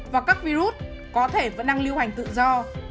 và các virus có thể vẫn đang lưu hành tự do